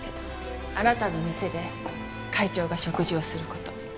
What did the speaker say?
あなたの店で会長が食事をする事。